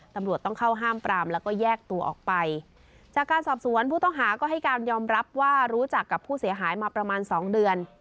ตำรวจต้องเข้าห้ามปรามแล้วก็แยกตัวออกไปจากการสอบสวนผู้ต้องหาก็ให้การยอมรับว่ารู้จักกับผู้เสียหายมาประมาณสองเดือน